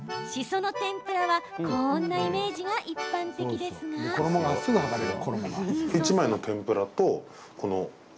その天ぷらはこんなイメージが一般的ですが。